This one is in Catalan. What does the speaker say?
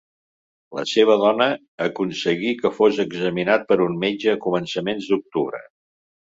La seva dona aconseguí que fos examinat per un metge a començaments d'octubre.